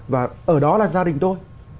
và ở đó là gia đình tôi